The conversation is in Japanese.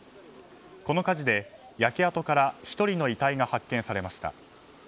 この火事で焼け跡から１人の遺体が発見されました。